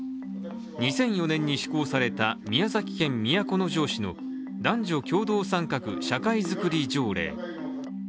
２００４年に施行された宮崎県都城市の男女共同参画社会づくり条例。